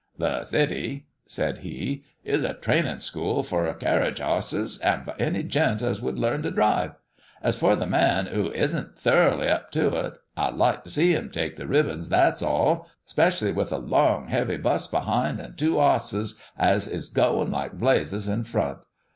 "The city," said he, "is a training school for carriage osses and for any gent as would learn to drive. As for a man who is'nt thoroughly up to it, I'd like to see him take the ribbons, that's all! 'specially with a long heavy 'bus behind and two osses as is going like blazes in front.